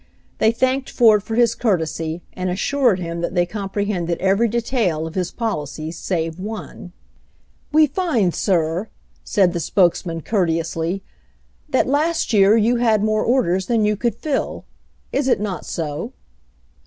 They thanked Ford for his courtesy and assured him that they comprehended every detail of his poli cies save one. 167 168 HENRY FORD'S OWN STORY it it We find, sir," said the spokesman, courteously, that last year you had more orders than you could fill. Is it not so?"